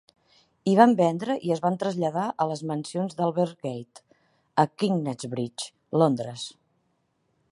Hi van vendre i es van traslladar a les mansions d'Albert Gate, a Knightsbridge, Londres.